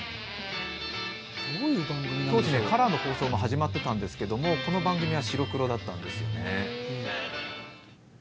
当時カラーの放送も始まってたんですけどこの番組は白黒だったんですよね。